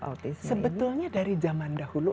autism ini sebetulnya dari zaman dahulu